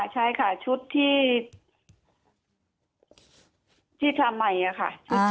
ใช่ค่ะชุดที่ทำใหม่ค่ะ